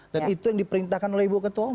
dan itu yang diperintahkan oleh ibu ketua omong